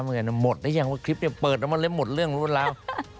เหมือนกันหมดตั้งแต่โรคคลิปนี้เปิดผมว่าเลยหมดเรื่องพิกัดแล้ว